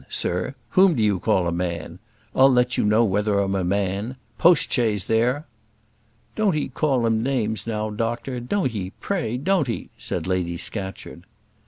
sir; whom do you call a man? I'll let you know whether I'm a man post chaise there!" "Don't 'ee call him names now, doctor; don't 'ee, pray don't 'ee," said Lady Scatcherd.